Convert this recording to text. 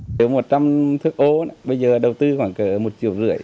nếu một trăm linh thức ố bây giờ đầu tư khoảng một triệu rưỡi